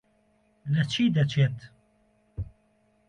لە چی دەچێت؟